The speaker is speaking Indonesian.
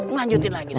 nganjutin lagi nah